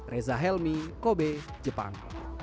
reza helmi kobe jepang